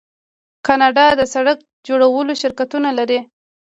کاناډا د سړک جوړولو شرکتونه لري.